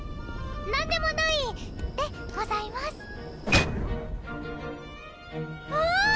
なんでもないでございますわぁ！